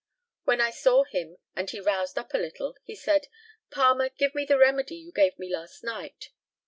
When I saw him and he roused up a little, he said, "Palmer, give me the remedy you gave me last night."